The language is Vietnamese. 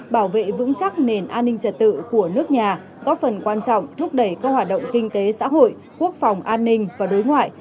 bảo vệ vững chắc nền an ninh trật tự của nước nhà góp phần quan trọng thúc đẩy các hoạt động kinh tế xã hội quốc phòng an ninh và đối ngoại